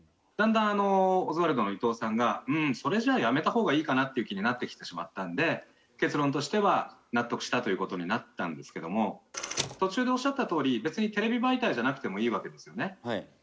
だんだんオズワルドの伊藤さんがそれじゃやめた方がいいかなっていう気になってきてしまったので結論としては納得したという事になったんですけども途中でおっしゃったとおり別にテレビ媒体じゃなくてもいいわけですよね。